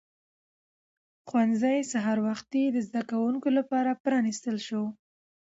ښوونځی سهار وختي د زده کوونکو لپاره پرانیستل شو